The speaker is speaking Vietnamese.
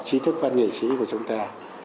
trí thức văn nghệ sĩ của chúng ta